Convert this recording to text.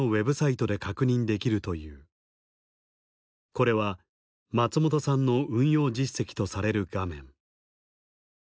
これは松本さんの運用実績とされる画面。